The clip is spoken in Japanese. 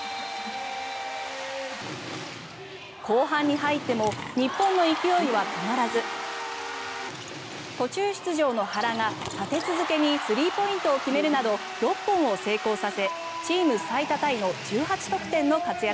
後半に入っても日本の勢いは止まらず途中出場の原が立て続けにスリーポイントを決めるなど６本を成功させチーム最多タイの１８得点の活躍。